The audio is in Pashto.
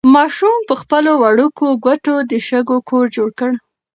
ماشوم په خپلو وړوکو ګوتو د شګو کور جوړ کړ.